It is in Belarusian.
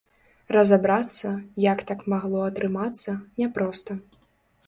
Разабрацца, як так магло атрымацца, няпроста.